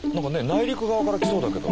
内陸側から来そうだけど。